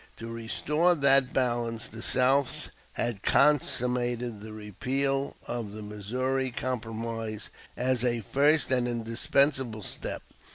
To restore that balance the South had consummated the repeal of the Missouri Compromise as a first and indispensable step.